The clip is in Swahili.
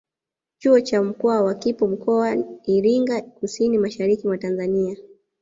Chuo cha mkwawa kipo mkoa Iringa Kusini mashariki mwa Tanzania